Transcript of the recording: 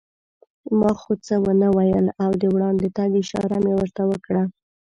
خو ما څه و نه ویل او د وړاندې تګ اشاره مې ورته وکړه.